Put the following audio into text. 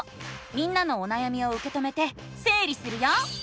みんなのおなやみをうけ止めてせい理するよ！